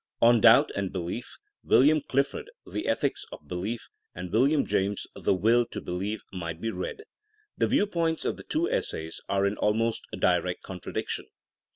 On doubt and belief, William CUfford, The Ethics of Belief, and William James, The Will to Believe, might be read. The viewpoints of the two essays are in almost direct contradic tion.